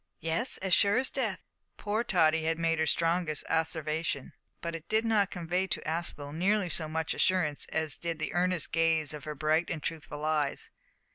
"Yes; as sure as death." Poor Tottie had made her strongest asseveration, but it did not convey to Aspel nearly so much assurance as did the earnest gaze of her bright and truthful eyes.